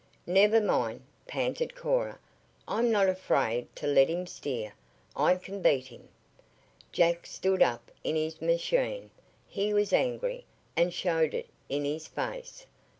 "Never mind!" panted Cora. "I'm not afraid to let him steer. I can beat him!" Jack stood up in his machine. He was angry, and showed it in his face.